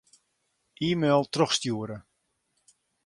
E-mail trochstjoere.